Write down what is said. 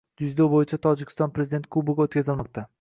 Dzyudo bo‘yicha Tojikiston Prezidenti kubogi o‘tkazilmoqda